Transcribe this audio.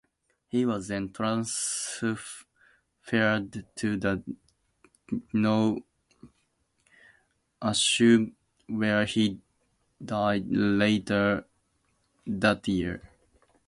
He was then transferred to the Kew Asylum, where he died later that year.